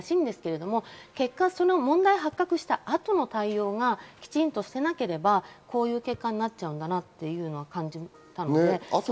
ただ、その結果、問題が発覚した後の対応がきちんとしていなければ、こういう結果になっちゃうんだなと感じました。